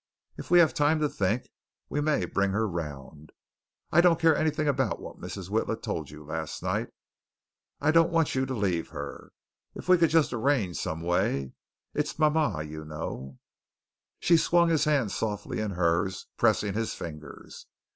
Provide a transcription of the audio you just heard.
If we have time to think, we may bring her round. I don't care anything about what Mrs. Witla told you last night. I don't want you to leave her. If we could just arrange some way. It's mama, you know." She swung his hand softly in hers, pressing his fingers.